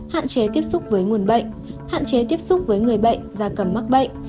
hạn chế tiếp xúc với nguồn bệnh hạn chế tiếp xúc với người bệnh da cầm mắc bệnh